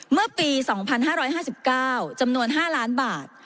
เมื่อปี๒๕๕๙จำนวน๕ล้านบาท